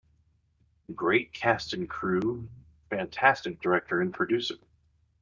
Great cast and crew, fantastic director and producer.